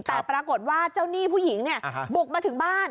แต่ปรากฏว่าเจ้าหนี้ผู้หญิงเนี่ยบุกมาถึงบ้าน